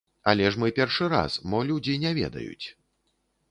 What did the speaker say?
Але ж мы першы раз, мо людзі не ведаюць.